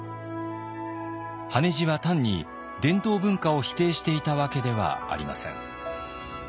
羽地は単に伝統文化を否定していたわけではありません。